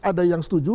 ada yang studi